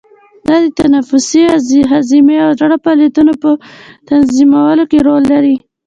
دا د تنفسي، هضمي او زړه فعالیتونو په تنظیمولو کې رول لري.